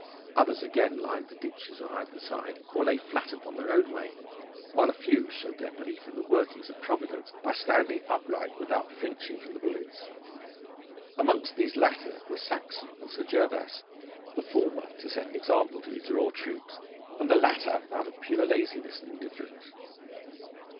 Others again lined the ditches on either side or lay flat upon the roadway, while a few showed their belief in the workings of Providence by standing upright without flinching from the bullets. Amongst these latter were Saxon and Sir Gervas, the former to set an example to his raw troops, and the latter out of pure laziness and indifference.